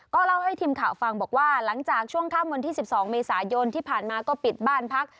เล่าให้ทีมข่าวฟังบอกว่าหลังจากช่วงค่ำวันที่๑๒เมษายนที่ผ่านมาก็ปิดบ้านพัก